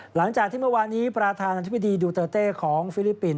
หลังจากที่เมื่อวานี้ประธานาธิบดีดูเตอร์เต้ของฟิลิปปินส